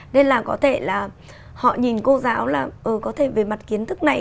nên là có thể là họ nhìn cô giáo là có thể về mặt kiến thức này